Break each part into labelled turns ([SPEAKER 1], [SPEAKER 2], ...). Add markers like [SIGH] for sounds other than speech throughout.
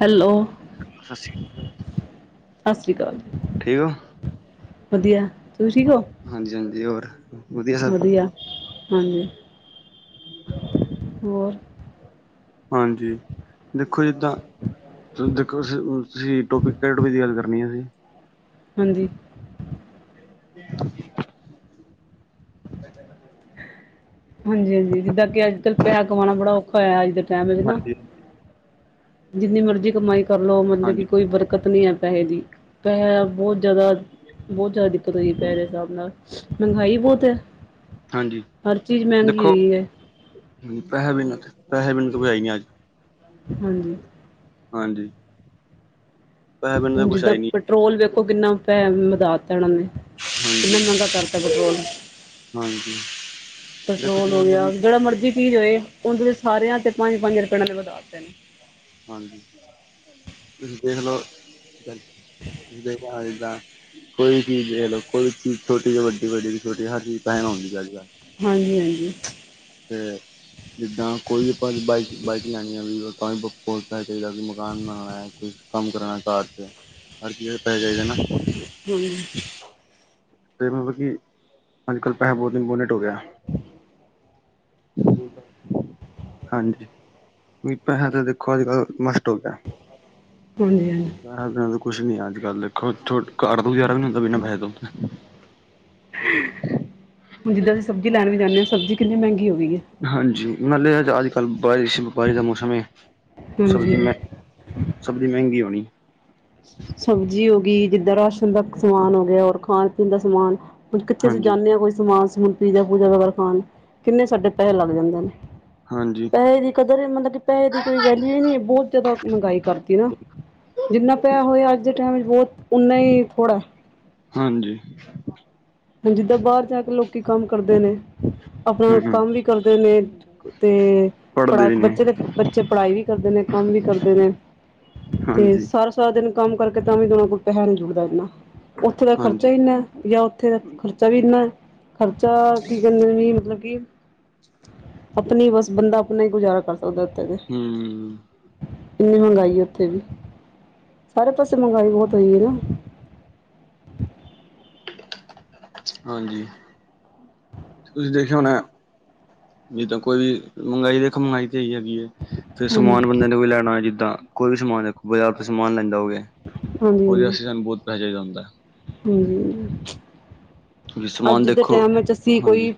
[SPEAKER 1] Hello.
[SPEAKER 2] ਸਸੀ
[SPEAKER 1] ਸਤਿ ਸ੍ਰੀ ਅਕਾਲ ਜੀ।
[SPEAKER 2] ਠੀਕ ਓ?
[SPEAKER 1] ਵਧੀਆ। ਤੁਸੀਂ ਠੀਕ ਹੋ
[SPEAKER 2] ਹਾਂਜੀ, ਹਾਂਜੀ ਹੋਰ ਵਧੀਆ, ਸਭ।
[SPEAKER 1] ਹਾਂਜੀ, ਹੋਰ
[SPEAKER 2] ਹਾਂਜੀ, ਦੇਖੋ ਜਿੱਦਾ ਦੇਖੋ ਤੁਸੀਂ ਟੋਪਿਕ ਕਿਹੇ ਟੋਪੇ ਦੀ ਗੱਲ ਕਰਨੀ ਹੈ ਜੀ
[SPEAKER 1] ਹਾਂਜੀ ਹਾਂਜੀ ਹਾਂਜੀ ਜਿੱਦਾਂ ਕਿ ਅੱਜ ਕੱਲ ਪੈਸਾ ਕਮਾਉਣਾ ਬੜਾ ਔਖਾ ਹੋਇਆ ਅੱਜ ਦੇ ਟਾਈਮ ਵਿੱਚ ਨਾ
[SPEAKER 2] ਹਾਂਜੀ
[SPEAKER 1] ਜਿੰਨੀ ਮਰਜ਼ੀ ਕਮਾਈ ਕਰ ਲਓ ਮਤਲਬ
[SPEAKER 2] ਹਾਂਜੀ
[SPEAKER 1] ਕਿ ਕੋਈ ਬਰਕਤ ਨਹੀਂ ਹੈ ਪੈਸੇ ਦੀ ਪੈਸੇ ਬਹੁਤ ਜ਼ਿਆਦਾ ਬਹੁਤ ਜ਼ਿਆਦਾ ਦਿੱਕਤ ਹੋਈ ਪੈ ਦੇ ਹਿਸਾਬ ਨਾਲ ਮਹਿੰਗਾਈ ਬਹੁਤ ਹੈ।
[SPEAKER 2] ਹਾਂਜੀ
[SPEAKER 1] ਹਰ ਚੀਜ਼ ਮਹਿੰਗੀ
[SPEAKER 2] ਦੇਖੋ
[SPEAKER 1] ਹੋਈ ਹੈ
[SPEAKER 2] ਪੈਸੇ ਬਿਨਾਂ ਪੈਸੇ ਬਿਨਾਂ ਤੋਂ ਦੁਬਈ ਅੱਜ
[SPEAKER 1] ਹਾਂਜੀ
[SPEAKER 2] ਹਾਂਜੀ ਪੈਸੇ ਬਿਨਾਂ ਤਾਂ
[SPEAKER 1] ਹੁਣ
[SPEAKER 2] ਕੁਛ ਹੈ
[SPEAKER 1] ਜਿੱਦਾਂ
[SPEAKER 2] ਹੀ ਨਹੀਂ।
[SPEAKER 1] ਪੈਟਰੋਲ ਵੇਖੋ ਕਿੰਨਾ ਪੈ ਵਧਾ ਦਿੱਤਾ ਉਹਨਾਂ ਨੇ ਕਿੰਨਾ
[SPEAKER 2] ਹਾਂਜੀ
[SPEAKER 1] ਮਹਿੰਗਾ ਕਰਤਾ ਪੈਟਰੋਲ
[SPEAKER 2] ਹਾਂਜੀ ਦੇਖੋ
[SPEAKER 1] ਪੈਟਰੋਲ ਹੋ
[SPEAKER 2] ਤੁਸੀਂ
[SPEAKER 1] ਗਿਆ। ਜਿਹੜਾ ਮਰਜ਼ੀ ਪੀ ਜਾਵੇ ਉਹਦੇ ਵਿੱਚ ਸਾਰਿਆਂ 'ਤੇ ਪੰਜ ਪੰਜ ਰੁਪਏ ਨਾਂ ਦੇ ਵਧਾਤੇ ਨੇ
[SPEAKER 2] ਹਾਂਜੀ [UNINTELLIGIBLE] ਦੇਖੋ ਇਦਾਂ ਕੋਈ ਚੀਜ਼ ਦੇਖ ਲਓ ਕੋਈ ਚੀਜ਼ ਛੋਟੀ ਜਾ ਵੱਡੀ ਵੱਡੀ ਛੋਟੀ ਹਰ ਚੀਜ਼ ਪਹਿਲਾ ਆਉਦੀ ਆ ਅੱਜ ਕੱਲ੍ਹ।
[SPEAKER 1] ਹਾਂਜੀ-ਹਾਂਜੀ।
[SPEAKER 2] ਅਤੇ ਜਿੱਦਾਂ ਕੋਈ ਵੀ ਆਪਾਂ ਬਾਈਕ ਬਾਈਕ ਲਣੀਆਂ ਆ ਵੀ ਉਹ ਤਾਂ ਵੀ ਬਹੁਤ ਪੈਸਾ ਚਾਹੀਦਾ ਜੀ ਮਕਾਨ ਬਣਾਨਾ, ਕੋਈ ਕੰਮ ਕਰਾਨਾ ਘਰ ਚ, ਹਰ ਚੀਜ਼ ਚ ਪੈਹੇ ਚਾਹੀਦੇ ਨਾ।
[SPEAKER 1] ਹੂੰ।
[SPEAKER 2] ਤੇ ਮਤਲਬ ਕਿ, ਅੱਜ-ਕੱਲ੍ਹ ਪੈਸਾ ਬਹੁਤ ਇੰਪੋਰਟੇਟ ਹੋਗਿਆ।
[SPEAKER 1] [INAUDIBLE]
[SPEAKER 2] ਹਾਂਜੀ, ਵੀ ਪੈਸੇ ਤਾਂ ਦੇਖੋ ਅੱਜ ਕੱਲ੍ਹ ਮਸਟ ਹੋ ਗਿਆ।
[SPEAKER 1] ਹਾਂਜੀ-ਹਾਂਜੀ
[SPEAKER 2] ਪੈਸਿਆ ਤੋਂ ਕੁੱਛ ਨੀ ਅੱਜ ਕੱਲ੍ਹ ਦੇਖੋ ਘਰ ਤੋਂ ਗੁਜ਼ਾਰਾ ਵੀ ਨੀ ਹੁੰਦਾ ਬਿਨਾਂ ਪੈਸੇ ਤੋਂ।
[SPEAKER 1] [INAUDIBLE] ਜਿੱਦਾਂ ਅਸੀਂ ਸਬਜ਼ੀ ਲੈਣ ਵੀ ਜਾਂਦੇ ਹਾਂ ਸਬਜ਼ੀ ਕਿੰਨੀ ਮਹਿੰਗੀ ਹੋ ਗਈ ਹੈ
[SPEAKER 2] ਹਾਂਜੀ, ਨਾਲੇ ਅੱਜ ਅ ਅੱਜ ਕੱਲ੍ਹ ਬਾਰਿਸ਼ ਬਾਰਿਸ਼ ਦਾ ਮੌਸਮ ਹੈ,
[SPEAKER 1] ਹਾਂਜੀ
[SPEAKER 2] ਸਬਜ਼ੀ ਮ
[SPEAKER 1] ਹਾਂਜੀ
[SPEAKER 2] ਸਬਜ਼ੀ ਮਹਿੰਗੀ ਹੋਣੀ।
[SPEAKER 1] ਸਬਜ਼ੀ ਹੋ ਗਈ ਜਿੱਦਾਂ ਰਾਸ਼ਨ ਦਾ ਸਮਾਨ ਹੋ ਗਿਆ ਔਰ ਖਾਣ ਪੀਣ ਦਾ ਸਮਾਨ, ਕਿੱਥੇ ਅਸੀਂ
[SPEAKER 2] ਹਾਂਜੀ
[SPEAKER 1] ਜਾਂਦੇ ਹਾਂ ਕੋਈ ਸਮਾਨ ਸਮ ਪੀਜਾ ਪੂਜਾ ਵਗੈਰਾ ਖਾਣ ਕਿੰਨੇ ਸਾਡੇ ਪੈਸੇ ਲੱਗ ਜਾਂਦੇ ਨੇ।
[SPEAKER 2] ਹਾਂਜੀ
[SPEAKER 1] ਪੈਸੇ ਦੀ ਕਦਰ ਮਤਲਬ ਕਿ ਪੈਸੇ ਦੀ ਕੋਈ ਵੈਲਿਊ ਹੀ ਨਹੀਂ ਬਹੁਤ ਜ਼ਿਆਦਾ ਮਹਿੰਗਾਈ ਕਰਤੀ ਨਾ। ਜਿੰਨਾ ਪਿਆ ਹੋਇਆ ਅੱਜ ਦੇ ਟਾਈਮ ਵਿੱਚ ਬਹੁਤ ਉਹਨਾ ਹੀ ਥੋੜ੍ਹਾ,
[SPEAKER 2] ਹਾਂਜੀ।
[SPEAKER 1] ਹੁਣ ਜਿੱਦਾਂ ਬਾਹਰ ਜਾ ਕੇ ਲੋਕੀ ਕੰਮ ਕਰਦੇ ਨੇ, ਆਪਣਾ
[SPEAKER 2] ਹਮ
[SPEAKER 1] ਕੰਮ ਵੀ ਕਰਦੇ ਨੇ, ਤੇ
[SPEAKER 2] ਪੜ੍ਹਦੇ
[SPEAKER 1] ਪੜਾ
[SPEAKER 2] ਵੀ ਨੇ
[SPEAKER 1] ਬੱਚੇ ਦੇ ਬੱਚੇ ਪੜ੍ਹਾਈ ਵੀ ਕਰਦੇ ਨੇ ਕੰਮ ਵੀ ਕਰਦੇ ਨੇ। ਤੇ
[SPEAKER 2] ਹਾਂਜੀ
[SPEAKER 1] ਸਾਰ ਸਾਰਾ ਦਿਨ ਕੰਮ ਕਰਕੇ ਤਾਂ ਵੀ ਦੋਨਾਂ ਕੋਲ ਪੈਸਾ ਨੀ ਜੁੜਦਾ ਇੰਨਾ, ਉੱਥੇ ਦਾ ਖਰਚਾ
[SPEAKER 2] ਹਾਂਜੀ
[SPEAKER 1] ਹੀ ਇੰਨਾ ਜਾਂ ਉੱਥੇ ਦਾ ਖਰਚਾ ਵੀ ਇੰਨਾ ਖਰਚਾ ਕੀ ਕਰਨਾ ਵੀ ਮਤਲਬ ਕਿ, ਆਪਣੀ ਬਸ ਬੰਦਾ ਆਪਣਾ ਹੀ ਗੁਜ਼ਾਰਾ ਕਰ ਸਕਦਾ ਉੱਥੇ ਦੇ,
[SPEAKER 2] ਹਮ
[SPEAKER 1] ਕਿੰਨੀ ਮਹਿੰਗਾਈ ਹੈ ਉੱਥੇ ਵੀ, ਸਾਰੇ ਪਾਸੇ ਮਹਿੰਗਾਈ ਬਹੁਤ ਹੋਈਗੀ ਨਾ।
[SPEAKER 2] ਹਾਂਜੀ। ਤੁਸੀਂ ਦੇਖਿਆ ਹੋਣਾ, ਜਿੱਦ ਕੋਈ ਵੀ ਮੰਹਗਾਈ ਦੇਖੋ ਮੰਹਗਾਈ ਤੇ ਹੈਈ ਹੈ। ਫੇਰ ਸਮਾਨ ਬੰਦੇ
[SPEAKER 1] ਹਾਂਜੀ
[SPEAKER 2] ਨੇ ਕੋਈ ਲੈਣਾ ਜਿੱਦਾਂ ਕੋਈ ਵੀ ਸਮਾਨ ਬਾਜ਼ਾਰ ਤੇ ਸਮਾਨ ਲੈਂਦਾ ਹੋਵੇ। ਉਹਦੇ ਵਾਸਤੇ ਸਾਨੂੰ ਬਹੁਤ ਪੈਸਾ ਚਾਹੀਦਾ ਹੁੰਦਾ।
[SPEAKER 1] ਹੂੰ,
[SPEAKER 2] ਤੁਸੀਂ ਸਮਾਨ
[SPEAKER 1] ਅੱਜ ਦੇ
[SPEAKER 2] ਦੇਖੋ
[SPEAKER 1] ਟੈਮ ਵਿੱਚ ਅਸੀਂ
[SPEAKER 2] ਹਾਂਜੀ
[SPEAKER 1] ਕੋਈ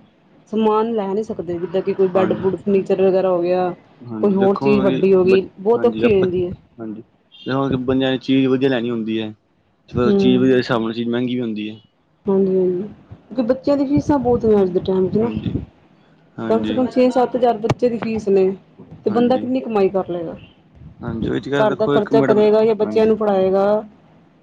[SPEAKER 1] ਸਮਾਨ ਲੈ ਨਹੀਂ ਸਕਦੇ ਜਿੱਦਾਂ ਕਿ ਕੋਈ ਬੈੱਡ
[SPEAKER 2] ਹਾਂਜੀ
[SPEAKER 1] ਬੁੱਡ ਫਰਨੀਚਰ ਵਗੈਰਾ ਹੋ ਗਿਆ। ਕੋਈ
[SPEAKER 2] ਹਾਂਜੀ
[SPEAKER 1] ਹੋਰ ਚੀਜ਼
[SPEAKER 2] ਦੇਖੋ ਕਿ
[SPEAKER 1] ਵੱਡੀ ਹੋ
[SPEAKER 2] ਬ
[SPEAKER 1] ਗਈ ਬਹੁਤ
[SPEAKER 2] ਹਾਂਜੀ
[SPEAKER 1] ਔਖੀ ਹੋ
[SPEAKER 2] ਆਪਾਂ
[SPEAKER 1] ਜਾਂਦੀ ਹੈ
[SPEAKER 2] ਹਾਂਜੀ, ਤੇ ਹੁਣ ਬੰਦਿਆਂ ਨੇ ਚੀਜ਼ ਵਧੀਆ ਲੈਣੀ ਹੁੰਦੀ ਹੈ,
[SPEAKER 1] ਹੂੰ
[SPEAKER 2] ਚੀਜ਼ ਵਧੀਆ ਸਾਹਮਣੇ ਚੀਜ਼ ਮਹਿੰਗੀ ਵੀ ਹੁੰਦੀ ਹੈ।
[SPEAKER 1] ਹਾਂਜੀ-ਹਾਂਜੀ, ਕਿਉਂਕਿ ਬੱਚਿਆਂ ਦੀਆਂ ਫੀਸਾਂ ਬਹੁਤ ਨੇ ਅੱਜ ਦੇ ਟਾਈਮ, 'ਚ ਨਾ
[SPEAKER 2] ਹਾਂਜੀ।
[SPEAKER 1] ਕਮ ਸੇ
[SPEAKER 2] ਹਾਂਜੀ
[SPEAKER 1] ਕਮ ਛੇ ਸੱਤ ਹਜ਼ਾਰ ਬੱਚੇ ਦੀ ਫੀਸ ਨੇ, ਤੇ ਬੰਦਾ
[SPEAKER 2] ਹਾਂਜੀ
[SPEAKER 1] ਕਿੰਨੀ ਕਮਾਈ ਕਰ ਲਏਗਾ।
[SPEAKER 2] ਹਾਂਜੀ ਉਹੀ ਚ ਗੱਲ
[SPEAKER 1] ਘਰ ਦਾ
[SPEAKER 2] ਦੇਖੋ ਇੱਕ
[SPEAKER 1] ਖ਼ਰਚਾ
[SPEAKER 2] ਮਿੰਟ
[SPEAKER 1] ਕਰੇਗਾ ਜਾਂ ਬੱਚਿਆਂ
[SPEAKER 2] ਹਾਂਜੀ
[SPEAKER 1] ਨੂੰ ਪੜਾਏਗਾ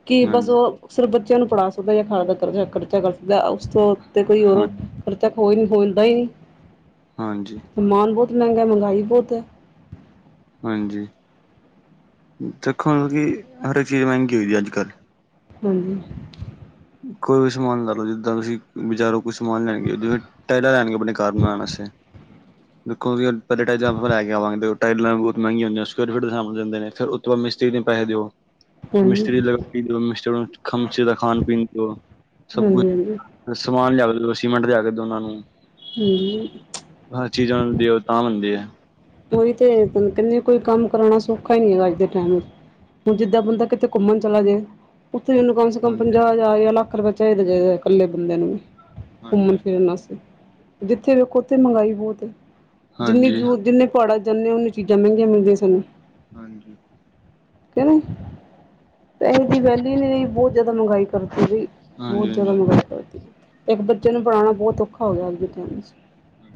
[SPEAKER 1] ਕੀ ਬਸ
[SPEAKER 2] ਹਾਂਜੀ
[SPEAKER 1] ਉਹ ਸਿਰਫ ਬੱਚਿਆਂ ਨੂੰ ਪੜ੍ਹਾ ਸਕਦਾ ਜਾਂ ਖਾ ਦਾ ਖਰਚਾ ਕਰ ਸਕਦਾ ਉਸ ਤੋਂ ਉੱਤੇ ਕੋਈ
[SPEAKER 2] ਹਾਂ
[SPEAKER 1] ਹੋਰ, ਖ਼ਰਚਾ ਕੋਈ ਹੁੰਦਾ ਹੀ ਨੀ।
[SPEAKER 2] ਹਾਂਜੀ।
[SPEAKER 1] ਸਮਾਨ ਬਹੁਤ ਮੈਂਗਾ, ਮਹਿੰਗਾਈ ਬਹੁਤ ਐ।
[SPEAKER 2] ਹਾਂਜੀ, ਦੇਖੋ ਮਤਲਬ ਕਿ ਹਰ ਇੱਕ ਚੀਜ਼ ਮਹਿੰਗੀ ਹੋਈ ਦੀ ਏ ਅੱਜ-ਕੱਲ੍ਹ।
[SPEAKER 1] ਹਾਂਜੀ।
[SPEAKER 2] ਕੋਈ ਵੀ ਸਮਾਨ ਲੈ ਲਓ, ਜਿੱਦਾਂ ਤੁਸੀਂ ਬਜ਼ਾਰੋਂ ਕੁੱਝ ਸਮਾਨ ਲੈਣ ਗਏ ਹੋ ਜਿਵੇਂ [UNINTELLIGIBLE] ਆਸਤੇ ਦੇਖੋ ਬਈ ਅ ਪਹਿਲੇ ਟਾਈਲਾਂ ਆਪਾਂ ਲੈ ਕੇ ਆਵਾਂਗੇ, ਟਾਈਲਾਂ ਬਹੁਤ ਮਹਿੰਗੀਆਂ ਹੁੰਦੀਆਂ, ਸਕੇਅਰ ਫਿੱਟ ਦੇ ਹਿਸਾਬ ਨਾਲ ਦਿੰਦੇ ਨੇ, ਸਊ ਤੋਂ ਮਿਸਤਰੀ ਨੂੰ ਪੈਸੇ ਦਿਓ।
[SPEAKER 1] ਹਾਂਜੀ,
[SPEAKER 2] ਮਿਸਤਰੀ ਲਗਾ ਪੀ ਦਿਓ, ਮਿਸਤਰੀ ਕੰਮ ਚਾਹੀਦਾ, ਖਾਣ- ਪੀਣ ਦਿਓ, ਸਭ
[SPEAKER 1] ਹਾਂਜੀ, ਹਾਂਜੀ।
[SPEAKER 2] ਕੁਛ ਸਮਾਨ ਲਿਆ ਕੇ ਦਿਓ, ਸੀਮੈਂਟ ਲਿਆ ਕੇ ਦੋਓ ਓਨਾਂ ਨੂੰ।
[SPEAKER 1] ਹਾਂਜੀ।
[SPEAKER 2] ਹਰ ਚੀਜ਼ ਆਉਣ ਦਿਓ, ਤਾਂ ਹੁੰਦੇ ਐ।
[SPEAKER 1] ਉਹੀ ਤੇ, ਕੈਨ ਕਹਿੰਦੇ ਕੋਈ ਕੰਮ ਕਰਾਉਣਾ ਸੌਖਾ ਹੀ ਹੈਗਾ ਅੱਜ ਦੇ ਟਾਈਮ 'ਚ। ਹੁਣ ਜਿੱਦਾਂ ਬੰਦਾ ਕਿਤੇ ਘੁੰਮਣ ਚਲਾ ਜਾਏ, ਉੱਥੇ ਉਹਨੂੰ ਕਮ ਸੇ ਕਮ
[SPEAKER 2] ਹਾਂਜੀ
[SPEAKER 1] ਪੰਜਾਹ ਹਜ਼ਾਰ ਯਾ ਲੱਖ ਰੁਪਏ ਚਾਹੀਦਾ- ਚਾਹੀਦਾ ਕੱਲੇ ਬੰਦੇ ਨੂੰ ਵੀ। ਘੁੰਮਣ
[SPEAKER 2] ਹਾਂਜੀ
[SPEAKER 1] ਫਿਰਨ ਵਾਸਤੇ, ਜਿੱਥੇ ਵੇਖੋ ਉੱਥੇ ਮਹਿੰਗਾਈ ਬਹੁਤ ਏ। ਜਿੰਨੀ
[SPEAKER 2] ਹਾਂਜੀ
[SPEAKER 1] ਦੂਰ, ਜਿੰਨੇ ਪਹਾੜਾਂ ਚ ਜਾਂਦੇ ਉਨੀਆਂ ਚੀਜ਼ਾਂ ਮਹਿੰਗੀਆਂ ਮਿਲਦੀਆਂ ਸਾਨੂੰ।
[SPEAKER 2] ਹਾਂਜੀ।
[SPEAKER 1] ਕੈਂਦੇ, ਪੈਹੇ ਦੀ ਵੈਲਿਊ ਹੀ ਨਹੀਂ ਰਹੀ, ਬਹੁਤ ਜ਼ਿਆਦਾ ਮੈਂਗਾਈ ਕਰਤੀ ਬਈ, ਬਹੁਤ
[SPEAKER 2] ਹਾਂਜੀ
[SPEAKER 1] ਜ਼ਿਆਦਾ
[SPEAKER 2] ਹਾਂਜੀ
[SPEAKER 1] ਮਹਿੰਗਾਈ ਕਰਤੀ। ਇੱਕ ਬੱਚੇ ਨੂੰ ਪੜਾਉਨਾ ਬਹੁਤ ਔਖਾ ਹੋ ਗਿਆ ਅੱਜ ਦੇ ਟਾਈਮ ਚ।
[SPEAKER 2] ਹੰ।